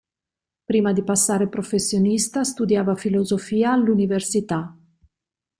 Prima di passare professionista studiava filosofia all'università.